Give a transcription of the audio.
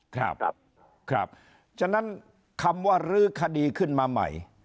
ครับครับฉะนั้นคำว่ารื้อคดีขึ้นมาใหม่